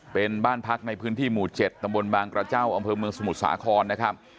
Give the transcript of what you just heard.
เป็นบ้านพักในพื้นที่หมู่๗ตำบลบางกระเจ้าอำเภอเมืองสมุทรสาครนะครับ